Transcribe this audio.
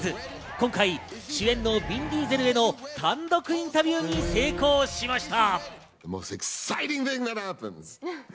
今回、主演のヴィン・ディーゼルへの単独インタビューに成功しました。